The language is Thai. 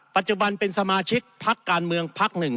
ปัจจุบันเป็นสมาชิกพักการเมืองพักหนึ่ง